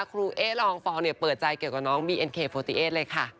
เอ๊ลองฟองเนี่ยเปิดใจเกี่ยวกับน้องบีเอ็นเคโฟติเอสเลยค่ะ